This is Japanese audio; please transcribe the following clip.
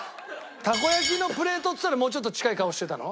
たこ焼きのプレートって言ってたらもうちょっと近い顔してたの？